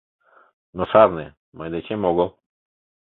Но шарне: мый дечем огыл.